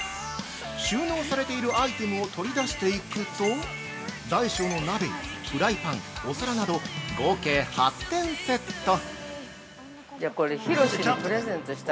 ◆収納されているアイテムを取り出していくと大小の鍋に、フライパン、お皿、など合計８点セット。